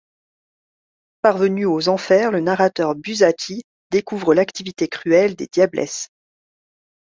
Parvenu aux Enfers, le narrateur Buzzati découvre l’activité cruelle des diablesses.